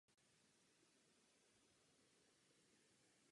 Byl místopředsedou sněmovního výboru pro sociální politiku a zdravotnictví.